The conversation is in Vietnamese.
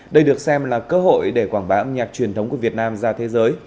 đây được xem là cơ hội để quảng bá âm nhạc truyền thống của việt nam ra thế giới